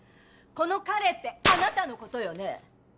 この「彼」ってあなたのことよね？